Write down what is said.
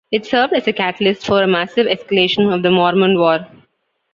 It served as a catalyst for a massive escalation of the Mormon War.